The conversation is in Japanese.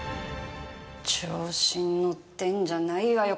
調子に乗ってんじゃないわよ